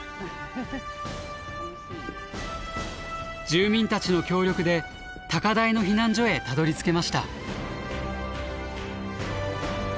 住民たちの協力で高台の避難所へたどりつけました。